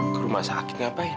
ke rumah sakit ngapain